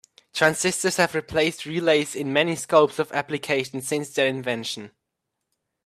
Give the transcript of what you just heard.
Transistors have replaced relays in many scopes of application since their invention.